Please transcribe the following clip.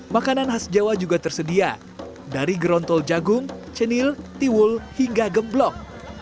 makanan khas jawa juga tersedia dari gerontol jagung cenil tiwul hingga gemblok